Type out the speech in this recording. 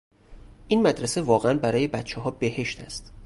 این مدرسه واقعا برای بچهها بهشت است.